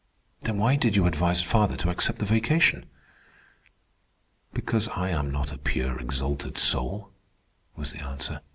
"Then why did you advise father to accept the vacation?" "Because I am not a pure, exalted soul," was the answer.